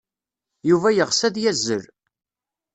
Yuba yeɣs ad yazzel.